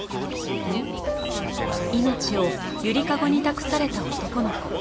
命をゆりかごに託された男の子。